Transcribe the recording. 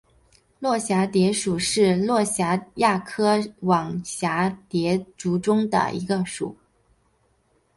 络蛱蝶属是蛱蝶亚科网蛱蝶族中的一个属。